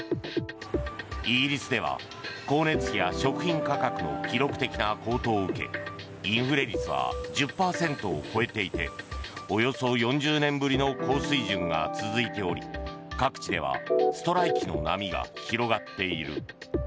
イギリスでは光熱費や食品価格の記録的な高騰を受けインフレ率は１０％を超えていておよそ４０年ぶりの高水準が続いており各地ではストライキの波が広がっている。